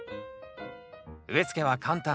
植え付けは簡単。